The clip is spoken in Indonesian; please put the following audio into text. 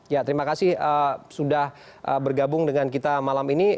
ya terima kasih sudah bergabung dengan kita malam ini